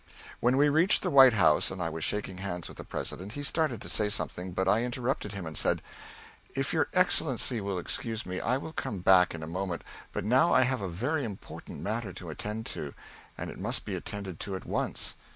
When we reached the White House and I was shaking hands with the President, he started to say something, but I interrupted him and said: "If your Excellency will excuse me, I will come back in a moment; but now I have a very important matter to attend to, and it must be attended to at once."